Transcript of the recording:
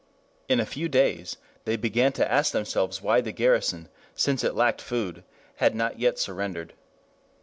In a few days they began to ask themselves why the garrison, since it lacked food, had not yet surrendered.